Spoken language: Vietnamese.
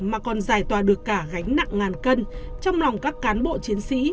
mà còn giải tỏa được cả gánh nặng ngàn cân trong lòng các cán bộ chiến sĩ